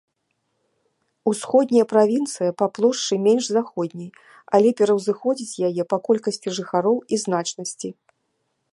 Усходняя правінцыя па плошчы менш заходняй, але пераўзыходзіць яе па колькасці жыхароў і значнасці.